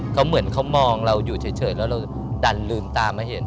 เขาเหมือนเขามองเราอยู่เฉยแล้วเราดันลืมตามาเห็น